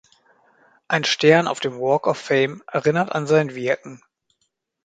Ein Stern auf dem Walk of Fame erinnert an sein Wirken.